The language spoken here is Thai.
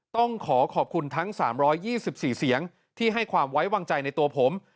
ต้องขอขอบคุณทั้ง๓๒๔เสียงที่ให้ความไว้วางใจในตัวผม